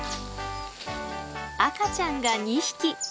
赤ちゃんが２匹。